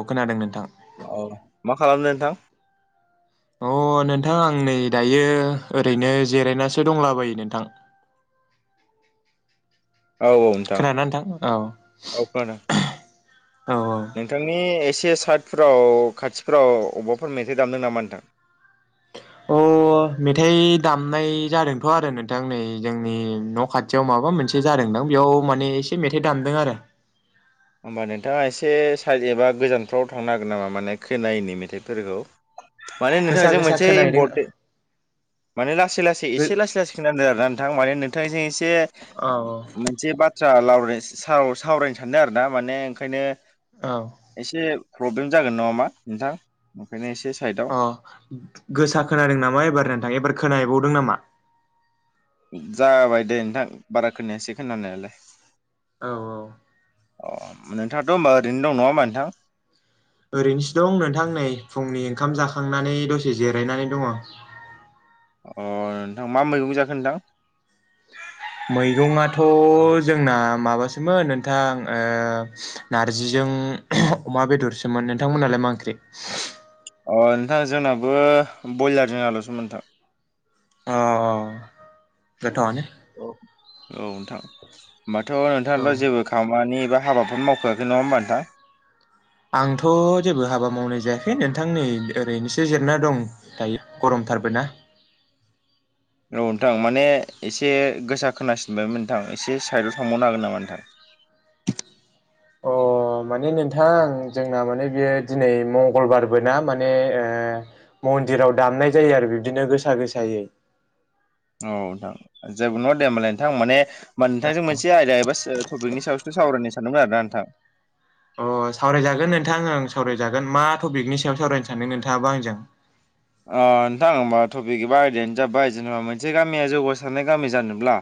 औ खोनादों नोंथां। औ मा खालामनो नोंथां? अ नोंथां आं नै दायो ओरैनो जिरायनासो दंलाबायो नोंथां। औ औ। नोंथां खोनादों ना नोंथां औ औ औ। नोंथांनि एसे साइथफोराव खाथिफोराव अबेबाफोर मेथाइ दामदों नामा नोंथां? अ। अ मेथाइ दामनाय जादोंथ' आरो नोंथां नै जोंनि न' खाथियाव माबा मोनसे से जादोंदां बेयाव माने एसे मेथाइ दामदों आरो। होमबा नोंथाङा एसे साइज एबा गोजानफ्राव थांनो हागोन नामा माने खोनायैनि मेथाइफोरखौ माने गोसा नोंथांजों गोसा मोनसे खोनाहैदों इम्परटे माने लासै लासै गो एसे लासै लासै खोनादों आरोना नोंथां माने नोंथांजों एसे औ एसे बाथ्रा सावरायनो सानदों आरो ना माने ओंखायनो औ। एसे प्रब्लेम जागोन नङामा नोंथां। ओंखायनो एसे साइदआ अ गोसा खोनादों नामा एबार नोंथां एबार खोनायबावदों नामा? जाबाय दे नोंथां बारा खोनायासै खोनानायालाय। औ। अ नोंथाङाथ' होमब ओरैनो दं नङाोमबा नोंथां। ओरैनोसो दं नोंथां नै फुंनि ओंखाम जाखांनानै दसे जिरायनानै दङ। अ नोंथां मा मैगं जाखो नोंथां? मैगंआथ' जोंना माबासोमोन नोंथां ओ नारजिजों अमा बेदरसोमोन नोंथांमोनहालाय मा ओंख्रि? अ नोंथां जोंनाबो ब्रयलार जों आलु'सोमोन नोंथां। अ गोथाव आनो। औ औ नोंथां होनोमबाथ' औ नोंथाङाल' जेबो खामानि एबा हाबाफोर मावखआखै नङा होमबा नोंथां। आंथ' जेबो हाबा मावनाय जायाखै नोंथां नै ओरैनोसो जिरना दं। दायो गरमथारबो ना। औ नोंथां माने एसे गोसा खोनासिनबाय नोंथां एसे साइडआव थांबावनो हागोन नामा नोंथां? अ। माने नोंथां जोंना माने बियो दिनै मंगलबारबो ना माने ओ मन्दिराव दामनाय जायो आरो बिब्दिनो गोसा गोसायै औ नोंथां जेबो नङ दे हबालाय नोंथां माने नोंथांजों मोनसे एबा टपिकनि सायावसो सावरायनो सानदोंमोन आर ना नोंथां। अ नोंथां ओं सावरायजागोन मा टपिकनि सायाव सानदों नोंथाङाबा आंजों? ओ नोंथां हमबा टपिक एबा आयदायानो जाबाय जेनेबा मोनसे गामिया जौगासारनाय गामि जानोब्ला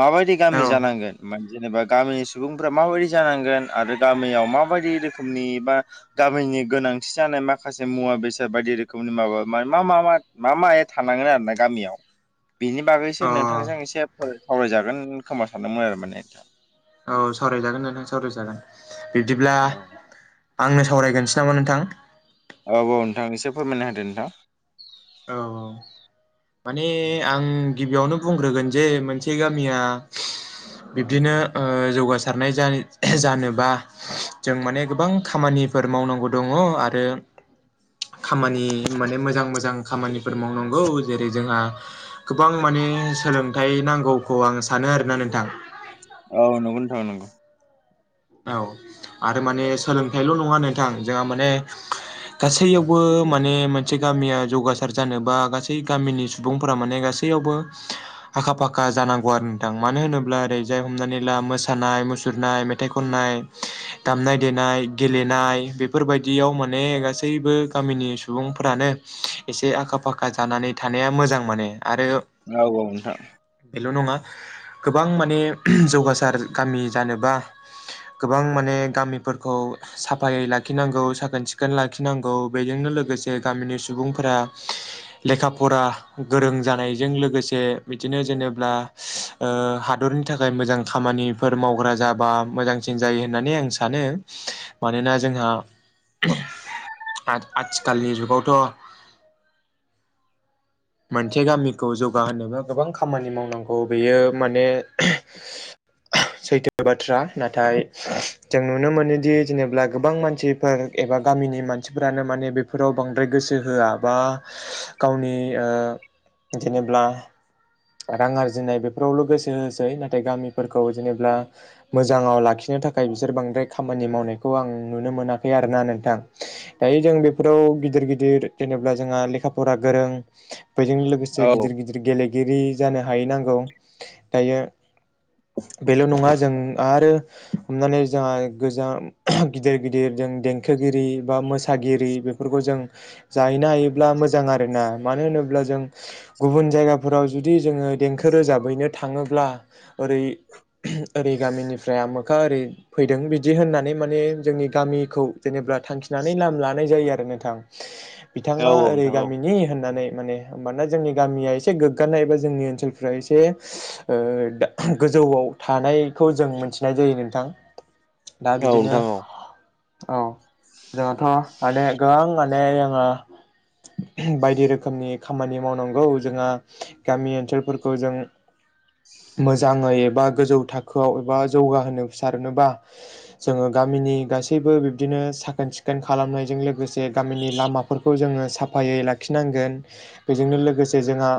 माबायदि गामि औ जानांगोन जेनेबा गामिनि सुबुंफोरा माबायदि जानांगोन आरो गामियाव माबायदि रोखोम रोखोमनि बा गामिनि गोनांथि जानाय माखासे मुवा बेसाद बायदि रोखोमनि माबा मा मा मा मा माय थानांगोन आरो ना गामियाव बिनि बागैसो अ नोंथांजों एसे सावरायजागोन खोमा सानदोंमोन आरो माने। औ सावरायजागोन नोंथां सावरायजागोन बिब्दिब्ला औ आंनो सावरायगोरनोसै नामा नोंथां? औ औ नोंथां एसे फोरमायनो होदो नोंथां। औ औ। माने आं गिबियावनो बुंग्रोगोन जे मोनसे गामिया बिब्दिनो ओ जौगासारनाय जानोबा जों माने गोबां खामानिफोर मावनांगौ दङ आरो खामानि माने मोजां मोजां खामानिफोर मावनांगौ जेरै जोंहा गोबां माने सोलोंथाइ नांगौखौ आं सानो आरोना नोंथां। औ नंगौनो थां नंगौ। औ आरो माने सोलोंथाइल' नङा नोंथां जोंहा माने गासैयावबो माने मोनसे गामिया जौगासार जानोबा गासै गामिनि सुबुंफोरा माने गासैयावबो [inaudible] आखा फाखा जानांगौ आरो नोंथां मानो होनोब्ला ओरै जाय हमनानै ला मोसानाय मुसुरनाय मेथाइ खननाय दामनाय देनाय गेलेनाय बेफोरबायदियाव माने गासैबो गामिनि सुबुंफोरानो इसे आखा फाखा जानानै थानाया मोजां माने आरो औ औ नोंथां। बेल' नङा गोबां माने जौगासार गामि जानोबा गोबां माने गामिफोरखौ साफायै लाखिनांगौ साखोन सिखोन लाखिनांगौ बेजोंनो लोगोसे गामिनि सुबुंफोरा लेखा फरा गोरों जानायजों लोगोसे बिदिनो जेनेब्ला हादरनि थाखाय मोजां खामानिफोर मावग्रा जाबा मोजांसिन जायो होननानै आं सानो मानोना जोंहा आथ आथिखालनि जुगावथ' मोनसे गामिखौ जौगाहोनोबा गोबां खामानि मावनांगौ बेयो माने सैथो बाथ्रा। नाथाय जों नुनो मोनोदि जेनेब्ला गोबां मानसिफोर एबा गामिनि मानसिफोरानो माने बे बेफोराव बांद्राय गोसो होआ बा गावनि जेनेब्ला रां आरजिनाय बेफोरावल' गोसो होसै नाथाय गामिफोरखौ जेनेब्ला मोजाङाव लाखिनो थाखाय बिसोर बांद्राय खामानि मावनायखौ आं नुनो मोनाखै आरोना नोंथां। दायो जों बेफोराव गिदिर गिदिर जेनेब्ला जोंहा लेखा फरा गोरों बेजों लोगोसे गोसे औ गिदिर गिदिर गेले गिरि जानो हाहै नांगौ दायो बेल' नङा जों आरो हमनानै जोहा गोजाम गिदिर गिदिर जों देंखोगिरि बा मोसागिरि बेफोरखौ जों जाहैनो मोजां आरो ना मानो होनोब्ला जों गुबुन जायगाफोराव जुदि जोङो देंखो रोजाबहैनो थाङोब्ला ओरै ओरै गामिनिफ्राय आमोखा ओरै फैदों बिदि होननानै माने जोंनि गामिखौ जेनेब्ला थांखिनानै लाम लानाय जायो आरो नोंथां। औ बिथाङा ओरै नोंथां औ गामिनि होननानै माने। मानोना जोंनि गामिया एसे गोग्गानाय एबा जोंनि ओनसोलफ्रा एसे ओ दा गोजौआव थानाय खौ जों मोनथिनाय जायो नोंथां दा औ बिदिनो नोंथां औ औ जोंहाथ' माने गोबां माने जोङो बायदि रोखोमनि खामानि मावनांगौ जोंहा गामि ओनसोलफोरखौ जों मोजाङै एबा गोजौ थाखोआव एबा जौगाहोनो सारनोबा जोङो गामिनि गासैबो बिब्दिनो साखोन सिखोन खालामनायजों लोगोसे गामिनि लामा फोरखौ जोङो साफायै लाखिनांगोन बेजोंनो लोगोसे जोंहा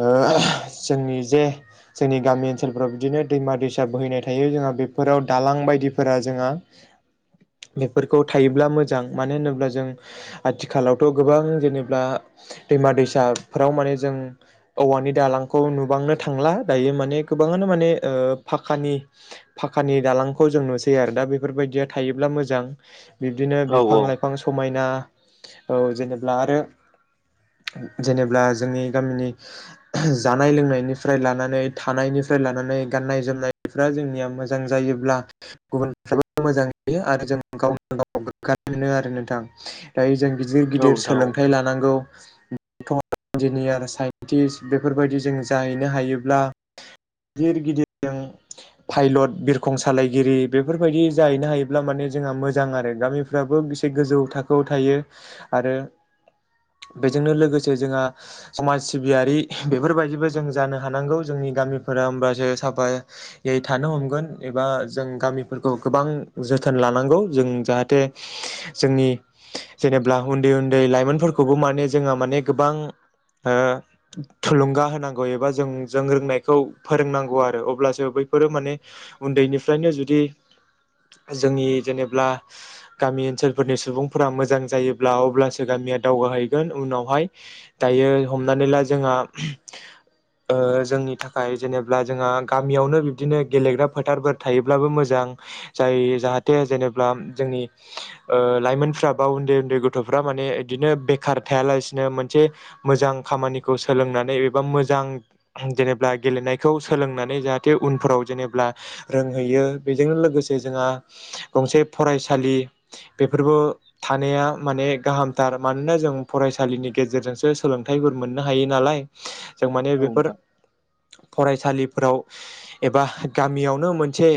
जोंनि जे जोंनि गामि ओनसोलफ्राव बिदिनो दैमा दैसा बोहैनाय थायो जोंहा बेफोराव दालां बायदिफोरा जोंहा बेफोरखौ थायोब्ला मोजां मानो होनोब्ला जों आथिखालावथ' गोबां जेनेबा दैमा दैसाफोराव माने जों औवानि दालांखौ नुबांनो थांला दायो माने गोबाङानो माने फाखानि फाखानि दालांखौ जों नुसै आरो दा बेफोरबायदिया थायोब्ला मोजां बिब्दिनो बिफां औ लाइ गोबां समायना औ जेनेब्ला आरो जेनेब्ला जोंनि गामिनि जानाय लोंनायनिफ्राय लानानै थानायनिफ्राय लानानै। गाननाय जोमनायफ्रा जोंनिया मोजां जायोब्ला गुबुनफ्राबो मोजां नुयो आरो जों गाव गाव गोग्गानाय मोनो आरो नोंथां दायो जों गिदिर औ गिदिर नोंथां औ सोलोंथाइ लानांगौ। डक्टर इन्जिनियार साइन्टिस बेफोरबायदि जों जाहैनो हायोब्ला [unintelligible] पाइलट बिरखं सालायगिरि बेफोरबायदि जाहैनो हायोब्ला माने जोंहा मोजां आरो गामि फ्राबो बेसे गोजौ थाखोआव थायो आरो बेजोंनो लोगोसे जोंहा समाज सिबियारि बेफोरबायदिबो जों जानो हानांगौ जोंनि गामिफोरा होमबासो सा फाया यै थानो हमगोन एबा जों गामिफोरखौ गोबां जोथोन लानांगौ जों जाहाथे जोंनि जेनेबा उन्दै उन्दै लाइमोनफोरखौबो माने जोंहा माने गोबां ओ थुलुंगा होनांगौ एबा जों जों रोंनायखौ फोरोंनांगौ आ रो अब्लासो बैफोरो माने उन्दैनिफ्रायनो जुदि जोंनि जेनेब्ला गामि ओनसोलफोरनि सुबुंफोरा मोजां जायोब्ला अब्लासो गामिया दावगाहैगोन उनावहाय दायो हमनानै ला जोंहा ओ जोंनि थाखाय जेनेब्ला जोंहा गामियावनो बिब्दिनो गेलेग्रा फोथारफोर थायोब्लाबो मोजां जायो जाहाथे जेनेबा जोंनि ओ लाइमोनफ्रा बा उन्दै उन्दै गथ'फ्रा माने बिदिनो बेखार थायालासिनो मोनसे मोजां खामानिखौ सोलोंनानै एबा मोजां जेनेबा गेलेनायखौ सोलोंना नै जाहाथे उनफोराव जेनेब्ला रोंहैयो बेजोंनो लोगोसे जोंहा गंसे फरायसालि बेफोरबो थानाया माने गाहामथार मानोना जों फरायसालिनि गेजेरजोंसो सोलोंथाइफोर मोननो हायो नालाय जों माने औ नोंथां बेफोर फरायसालिफोराव एबा गामियावनो मोनसे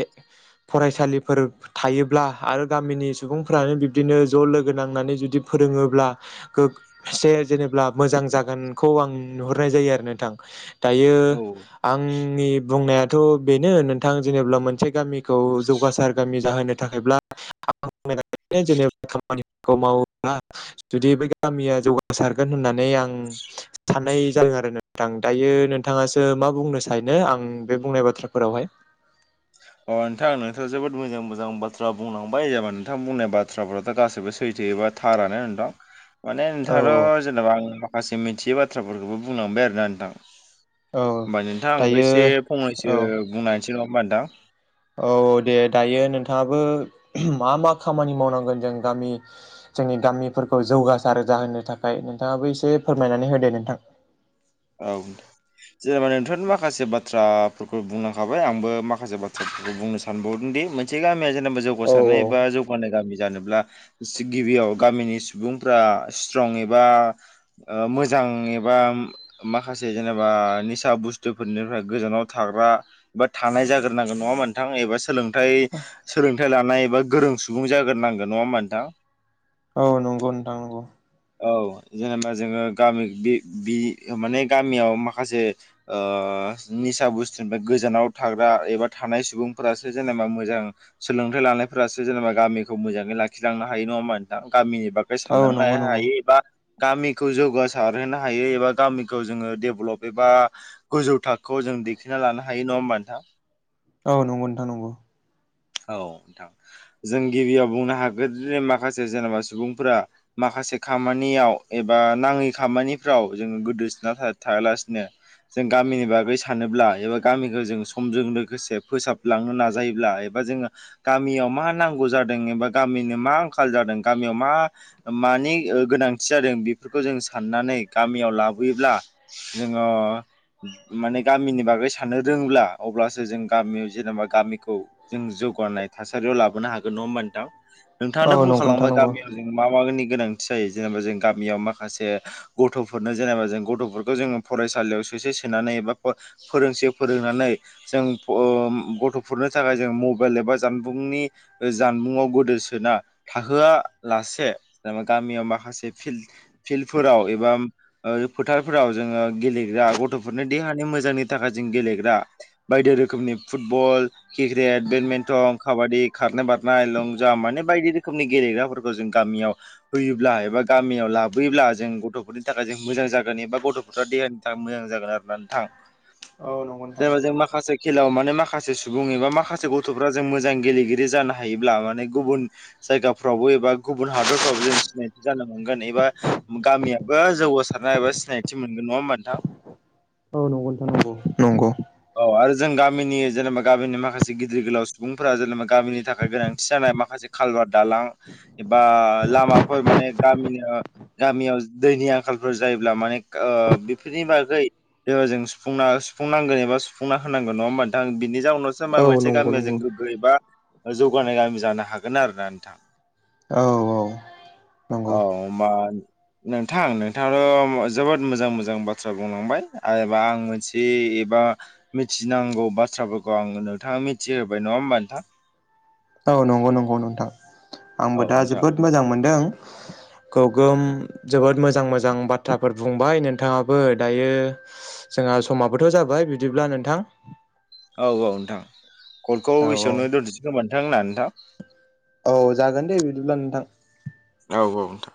फरायसालिफोर थायोब्ला आरो गामिनि सुबुंफ्रानो बिब्दिनो ज' लोगो नांनानै जुदि फोरोङोब्ला गो से जेनेबा मोजां जागोनखौ आं नुहुरनाय जायो आरो नोंथां दायो औ आंनि बुंनायाथ' बेनो नोंथां जेनेबा मोनसे गामि खौ जौगासार गामि जाहोनो थाखायब्ला [unintelligible] जेनेबा खामानिफोरखौ मावोब्ला जुदि बै गामिया जौगासारगोन होननानै आं साननाय जादों आरो नोंथां दायो नोंथाङासो मा बुंनो सानो आं बे बुंनाय बाथ्राफोरावहाय अ नोंथां नोंथाङा जोबोद मोजां मोजां बाथ्रा बुंलांबाय एबा नोंथां बुंनाय बाथ्राफ्राथ' गासैबो सैथो एबा थारानो नोंथां माने औ नोंथाङाथ' जेनेबा आं माखासे मिथियै बाथ्राफोरखौबो बुंलांबाय आरोना नोंथां। औ होमबा नोंथां आंबो दायो एसे फंनैसो औ बुंना होनोसै नङा होमबा नोंथां औ दे दायो नोंथाङाबो मा मा खामानि मावनांगोन जों गामि जोंनि गामिफोरखौ जौगासार जाहोनो थाखाय नोंथाङाबो एसे फोरमायनानै होदो नोंथां। औ जेनेबा नोंथांआनो माखासे बाथ्राफोरखौ बुंलांखाबाय आंबो माखासे बाथ्राफोरखौ बुंनो सा सानबावदों दि मोनसे गामिया जेनेबा औ जौगासारनाय एबा जौ [unintelligible] गामि जानोब्ला गिबियाव गामिनि सुबुंफ्रा स्ट्रं एबा ओ मोजां एबा माखासे जेनेबा निसा बुस्थुफोरनिफ्राय गोजानाव थाग्रा बा थानाय जाग्रोनांगोन नङा मोनथां एबा सोलों थाय सोलोंथाइ लानाय एबा गोरों सुबुं जाग्रोनांगोन नङा होमबा नोंथां? औ नंगौ नोंथां नंगौ। औ जेनेबा जोङो गामि बे बि माने गामियाव माखासे ओ निसा बुस्थुनिफ्राय गोजानाव थाग्रा एबा थानाय सुबुंफोरासो जेनेबा मोजां सोलोंथाइ लानायफोरासो जेनेबा गामिखौ मोजाङै लाखिलांनो हायो नङा होमबा नोंथां? गामिनि बागै औ सानलांनो नंगौ हा नंगौ एबा गामिखौ जौगासारहोनो हायो एबा गामिखौ जोङो डेभलप एबा गोजौ थाखो जों दिखोना लानो हायो नङा होमबा नोंथां? औ नंगौ नोंथां नंगौ। औ नोंथां जों गिबियाव बुंनो हागोन जे माखासे जेनेबा सुबुंफोरा माखासे खामानियाव एबा नाङै खामानिफ्राव जों गोदोसोना था-थायालासिनो जों गामिनि बागै सानोब्ला एबा गामिखो जों समजों लोगोसे फोसाबलांनो नाजायोब्ला एब बा जोङो गामियाव मा नांगौ जादों एबा गामिनो मा आंखाल जादों गामियाव मा मानि ओ गोनांथि जादों बेफोरखौ जों साननानै गामियाव लाबोयोब्ला जोङो माने गामिनि बागै साननो रोङोब्ला अब्लासो जों गामियाव जेनेबा गामिखौ जों जौगानाय थासारियाव लाबोनो हागोन नङा होमबा नोंथां? औ नोंथाङानो बुंखा नंगौ नोंथां लांबाय नंगौ गामि [unintelligible] मा मा नि गोनांथि जायो जेनेबा जों गामियाव माखासे गथ'फोरनो जेनेबा जों गथ'फोरखौ जों फरायसालियाव सोसे सोनानै एबा फ फोरोंसे फोरोंनानै जों अ गथ'फोरनो थाखाय जों मबाइल एबा जानबुंनि ओ जानबुंआव गोदोसोना थाहोआ लासे जेनेबा गामियाव माखासे फिल्द फिल्दफोराव एबा ओ फोथारफोराव जोङो गेलेग्रा गथ'फोरनि देहानि मोजांनि थाखाय जों गेलेग्रा बायदि रोखोमनि फुटबल क्रिकेट, बेडमिन्टन, काबादि, खारनाय बारनाय, लं जाम माने बायदि रोखोमनि गेलेग्राफोरखौ जों गामियाव होयोब्ला एबा गामियाव लाबोयोब्ला जों गथ'फोरनि थाखाय जों मोजां जागोन एबा गथ'फोरा देहा नि थाखाय मोजां जागोन आरो ना नोंथां। [unintelligible] जेनेबा जों माखासे खेलायाव माने माखासे सुबुं बुं एबा माखासे गथ'फ्रा जों मोजां गेलेगिरि जानो हायोब्ला माने गुबुन जायगाफ्रावबो एबा गुबुन हादरफ्रावबो जों सिनायथि जानो मोनगोन एबा गामियाबो जौगासारनाय एबा सिनाय थि मोनगोन नङा होमबा नोंथां? औ नंगौ नोंथां नंगौ नंगौ। औ आरो जों गामिनि जेनेबा गामिनि माखासे गिदिर गोलाव सुबुंफोरा जेनेबा गामिनि थाखाय गोनांथि जानाय माखासे खालभार दालां एबा लामाफोर माने गामिनि ओ गामियाव‌ दैनि आंखालफोर जायोब्ला माने ओ बेफोरनि बागै जोङो जों सुफुंना सुफुंनांगोन एबा सुफुंना होनांगोन नङा होमबा नोंथां? बिनि जाउनाव होमबा औ मोनसे नंगौ गामिया नंगौ जों गोग्गो एबा जौगानाय गामि जानो हागोन आरो ना नोंथां। औ। नंगौ औ मा नोंथां नोंथाङाथ' जोबोद मोजां मोजां बाथ्रा बुंलांबाय आरोबा आं मोनसे दि एबा मिथिनांगौ बाथ्राफोरखौ आनो नोंथाङा मिथिहोबाय नङा होमबा नोंथां। औ नंगौ नंगौ नोंथां आंबो औ दा नोंथां जोबोद मोजां मोनदों। गोगोम जोबोद मोजां मोजां बाथ्राफोर बुंबाय नोंथाङाबो दायो जोंहा समाबोथ' जाबाय बिदिब्ला नोंथां। औ औ नोंथां कलखौ औ औ एसेयावनो दोनथनिसै खोमा नोंथां ना नोंथां? औ जागोन दे बिदिब्ला नोंथां। औ औ नोंथां।